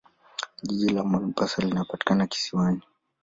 Jiji la Mombasa linapatikana kisiwani.